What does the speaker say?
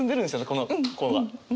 この子は。